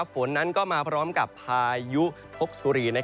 ฝนนั้นก็มาพร้อมกับพายุพกสุรี